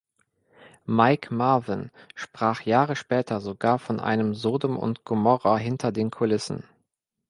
Mike Marvin sprach Jahre später sogar von einem „Sodom und Gomorra hinter den Kulissen“.